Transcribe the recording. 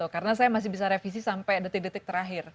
karena saya masih bisa revisi sampai detik detik terakhir